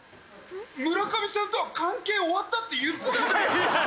村上さんとは関係終わったって言ってたじゃないですか！